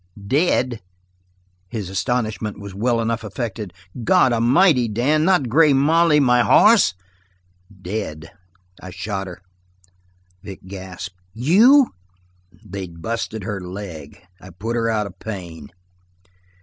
"Dead?" His astonishment was well enough affected. "God amighty, Dan, not Grey Molly my hoss?" "Dead. I shot her." Vic gasped. "You?" "They'd busted her leg. I put her out of pain."